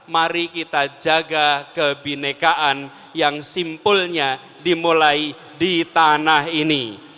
mari kita jaga kebinekaan yang simpulnya dimulai di tanah ini